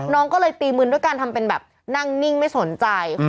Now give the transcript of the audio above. น้องก็เลยตีมึนด้วยการทำเป็นแบบนั่งนิ่งไม่สนใจ